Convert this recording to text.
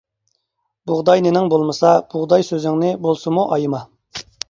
بۇغداي نېنىڭ بولمىسا، بۇغداي سۆزۈڭنى بولسىمۇ ئايىما.